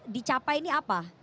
dicapai ini apa